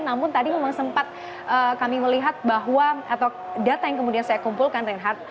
namun tadi memang sempat kami melihat bahwa data yang kemudian saya kumpulkan red heart